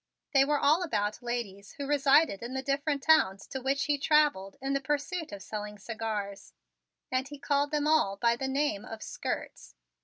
They were all about ladies who resided in the different towns to which he traveled in the pursuit of selling cigars, and he called them all by the name of "skirts."